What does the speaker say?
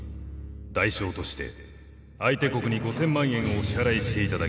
代償として相手国に５，０００万円をお支払いしていただきます。